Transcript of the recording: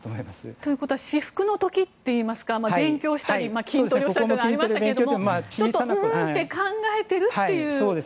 ということは雌伏の時といいますか勉強したり筋トレをしたりというのがありましたがちょっと、うーんって考えているという。